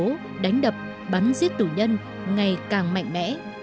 phản đối khủng bố đánh đập bắn giết tù nhân ngày càng mạnh mẽ